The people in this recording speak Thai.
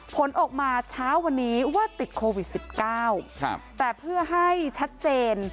ผลออกมาเช้าวันนี้ว่าติดโควิด๑๙แต่เพื่อให้ชัดเจน